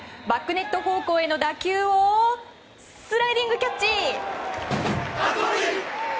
バックネット方向への打球をスライディングキャッチ！